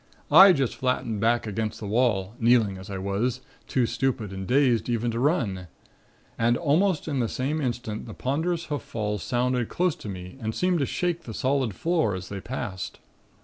I just flattened back against the wall, kneeling as I was, too stupid and dazed even to run. And almost in the same instant the ponderous hoof falls sounded close to me and seeming to shake the solid floor as they passed.